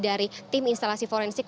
dari tim instalasi forensik